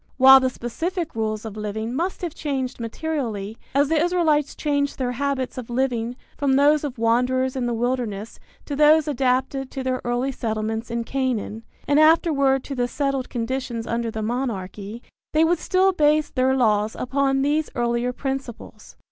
While the specific rules of living must have changed materially, as the Israelites changed their habits of living from those of wanderers in the wilderness to those adapted to their early settlements in Canaan and afterward to the settled conditions under the monarchy, they would still base their laws upon these earlier principles.